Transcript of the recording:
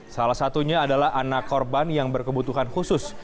salah satunya adalah anak korban yang berkebutuhan khusus